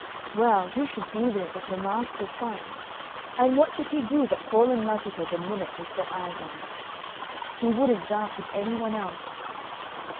Well, who should be there but her master's son, and what should he do but fall in love with her the minute he set eyes on her. He wouldn't dance with any one else.